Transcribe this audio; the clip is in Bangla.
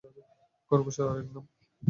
খরগোশের আরেক নাম!